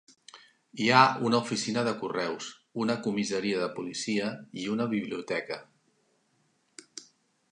Hi ha una oficina de correus, una comissaria de policia i una biblioteca..